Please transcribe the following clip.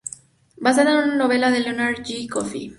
Basada en una novela de Lenore J. Coffee.